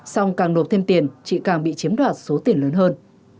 xong càng đột thêm tiền chỉ càng bị chiếm đoạt số tiền lớn hơn